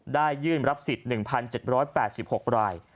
ยื่นรับสิทธิ์๑๗๘๖ราย